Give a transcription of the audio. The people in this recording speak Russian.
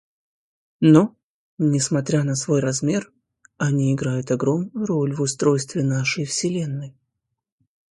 Но, несмотря на свой размер, они играют огромную роль в устройстве нашей Вселенной.